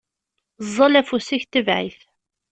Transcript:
Ẓẓel afus-ik, tbeɛ-it!